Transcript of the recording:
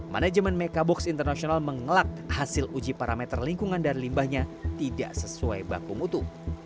manajemen mekabox internasional mengelak hasil uji parameter lingkungan dan limbahnya tidak sesuai baku mutu